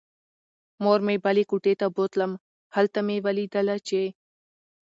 مور مې بلې کوټې ته بوتلم. هلته مې ولیدله چې